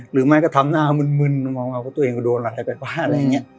หรือไม่ก็ทำหน้ามึนมองว่าตัวเองโดนอะไรบ้าง